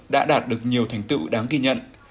đã đạt được nhiều thành tựu đáng ghi nhận